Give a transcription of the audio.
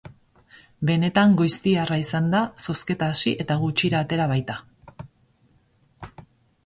Benetan goiztiarra izan da, zozketa hasi eta gutxira atera baita.